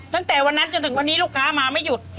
ตั้งแต่วันนั้นจนถึงวันนี้ลูกค้ามาไม่หยุด